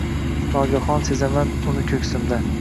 Nogahon sezaman uni ko’ksimda –